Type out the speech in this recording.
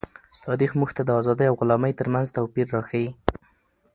تاریخ موږ ته د آزادۍ او غلامۍ ترمنځ توپیر راښيي.